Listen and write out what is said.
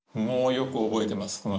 もうよく覚えてます